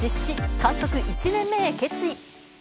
監督１年目へ決意。